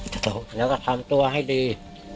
เดี๋ยวก็ทำตัวให้ดี